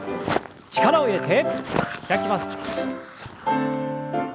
力を入れて開きます。